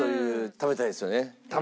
食べたいですよね？